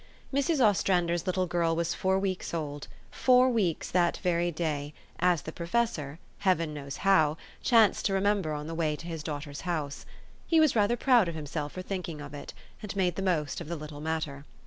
Mrs. Ostrander's little girl was four weeks old, four weeks that very day, as the professor Heaven knows how ! chanced to remember on the way to his daughter's house. He was rather proud of him self for thinking of it, and made the most of the little matter.